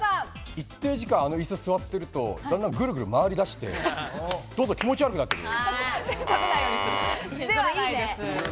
一定時間、あのイスに座ってると、どんどんぐるぐる回りだして、気持ち悪くなってくる。